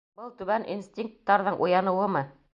— Был түбән инстинкттарҙың уяныуымы?